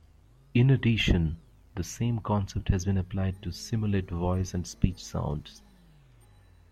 In addition, the same concept has been applied to simulate voice and speech sounds.